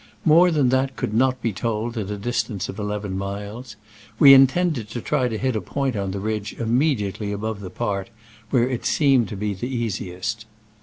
More than that could not be told at a distance of eleven miles. We intended to try to hit a point on the ridge immediately above the part where it seemed to be easiest.